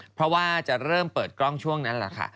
เพราะว่าจะเริ่มเปิดกล้องช่วงนั้นแหละค่ะ